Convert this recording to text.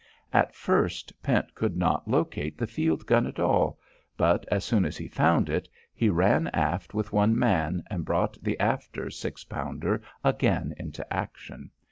At first, Pent could not locate the field gun at all, but as soon as he found it, he ran aft with one man and brought the after six pounder again into action.